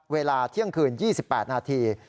เวลาเที่ยงคืน๒๘นาที